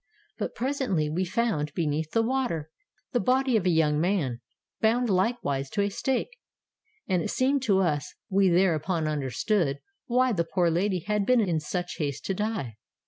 But presently we found, beneath the water, the body of a young man, bound likewise to a stake; and it seemed to us we thereupon understood why the poor lady had been in such haste to die.